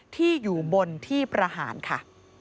ที่อยู่บนที่ประหารค่ะ